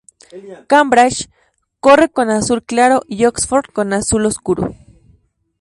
Cambridge corre con azul claro y Oxford con azul oscuro.